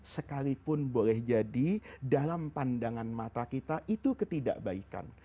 sekalipun boleh jadi dalam pandangan mata kita itu ketidakbaikan